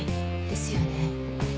ですよね。